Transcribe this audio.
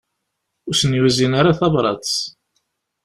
Ur asen-yuzin ara tabrat.